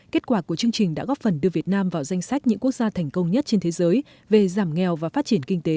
kết quả của chương trình đã góp phần đưa việt nam vào danh sách những quốc gia thành công nhất trên thế giới về giảm nghèo và phát triển kinh tế